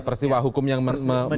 persiwa hukum yang menimpanya ya